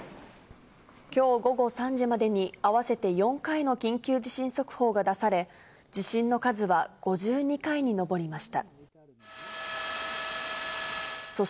きょう午後３時までに合わせて４回の緊急地震速報が出され、地震の数は５２回に上りました。